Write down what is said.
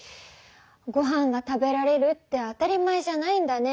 ごはんが食べられるって当たり前じゃないんだね。